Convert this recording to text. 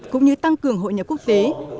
cũng như tăng cường hội nhà quốc tế